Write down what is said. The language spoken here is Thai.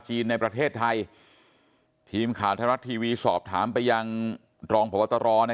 จีนในประเทศไทยทีมข่าวธรรมัสทีวีสอบถามไปยังรองพตรนะ